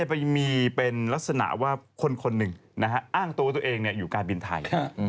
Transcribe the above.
ไปมีเป็นลักษณะว่าคนหนึ่งอ้างตัวว่าตัวเองอยู่การบินไทย